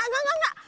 gak gak gak